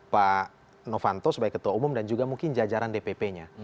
pak novanto sebagai ketua umum dan juga mungkin jajaran dpp nya